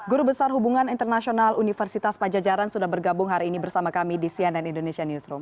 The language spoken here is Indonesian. guru besar hubungan internasional universitas pajajaran sudah bergabung hari ini bersama kami di cnn indonesia newsroom